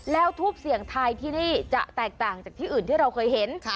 แล้วทูปเสี่ยงทายที่นี่จะแตกต่างจากที่อื่นที่เราเคยเห็น